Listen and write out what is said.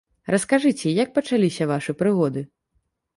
Раскажыце, як пачаліся вашы прыгоды?